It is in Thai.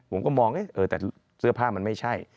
ผมก็มองแต่เสื้อผ้ามันไม่ใช่